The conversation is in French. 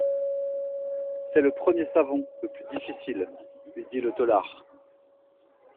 C'est le premier savon le plus difficile, lui dit le tôlard.